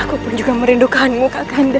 aku pun juga merindukanmu kak kanda